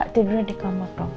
tidurnya di kamar dong